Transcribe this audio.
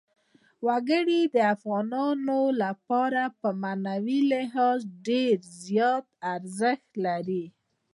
وګړي د افغانانو لپاره په معنوي لحاظ ډېر زیات ارزښت لري.